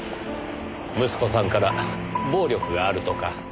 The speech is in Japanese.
息子さんから暴力があるとか。